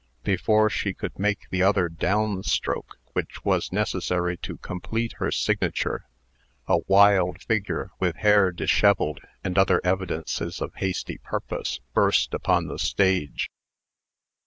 Before she could make the other down stroke which was necessary to complete her signature, a wild figure, with hair dishevelled, and other evidences of hasty purpose, burst upon the stage.